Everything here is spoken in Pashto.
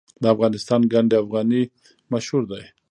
د افغانستان ګنډ افغاني مشهور دی